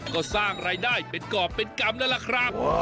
ก็สร้างรายได้เป็นกรอบเป็นกรรมแล้วล่ะครับ